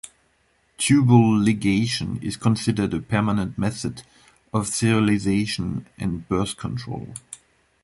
Tubal ligation is considered a permanent method of sterilization and birth control.